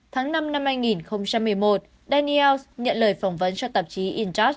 tháng năm năm hai nghìn một mươi một daniels nhận lời phỏng vấn cho tạp chí in touch